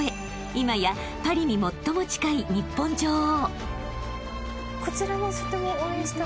今やパリに最も近い日本女王］